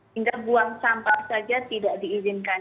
hingga buang sampah saja tidak diizinkan